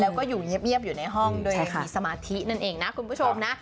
แล้วก็อยู่เงียบอยู่ในห้องโดยมีสมาธินั่นเองนะคุณผู้ชมนะ